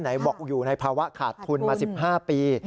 ไหนบอกอยู่ในภาวะขาดทุนมา๑๕ปี